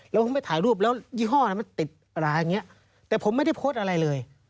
แล้วผมไปถ่ายรูปแล้วยี่ห้อนั้นมันติดร้ายอย่างนี้แต่ผมไม่ได้โพสต์อะไรเลย